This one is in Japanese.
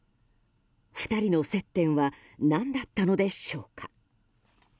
２人の接点は何だったのでしょうか。